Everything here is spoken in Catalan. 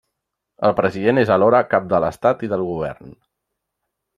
El president és alhora cap de l'estat i del govern.